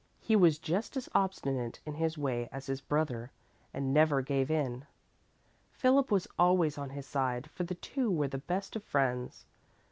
He was just as obstinate in his way as his brother, and never gave in. Philip was always on his side, for the two were the best of friends.